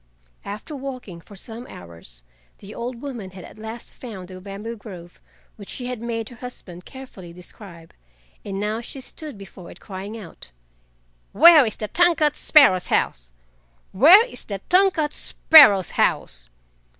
After walking for some hours the old woman had at last found the bamboo grove which she had made her husband carefully describe, and now she stood before it crying out: "Where is the tongue cut sparrow's house? Where is the tongue cut sparrow's house?"